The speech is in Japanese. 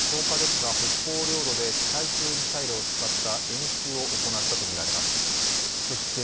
１０日ですが、北方領土で地対空ミサイルを使った演習を行ったとみられます。